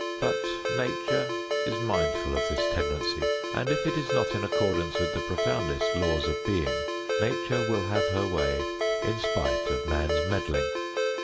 But Nature is mindful of this tendency and if it is not in accordance with the profoundest laws of being, Nature will have her way in spite of man's meddling.